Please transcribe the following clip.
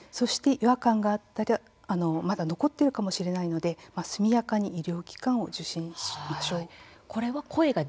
違和感があったらまだ残っているかもしれないので速やかに医療機関を受診してください。